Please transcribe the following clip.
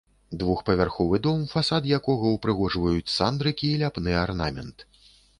Двухпавярховы дом, фасад якога ўпрыгожваюць сандрыкі і ляпны арнамент.